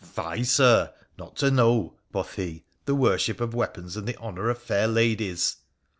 ' Fie, Sir, not to know,' quoth he, ' the worship of weapons and the honour of fair ladies